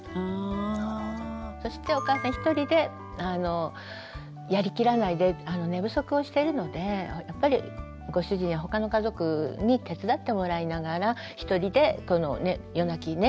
そしてお母さん一人でやりきらないで寝不足をしてるのでやっぱりご主人や他の家族に手伝ってもらいながら一人で夜泣きね